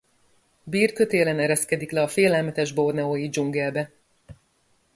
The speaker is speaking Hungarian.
Bear kötélen ereszkedik le a félelmetes borneói dzsungelbe.